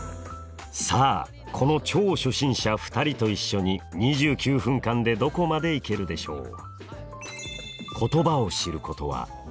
さあこの超初心者２人と一緒に２９分間でどこまでいけるでしょう？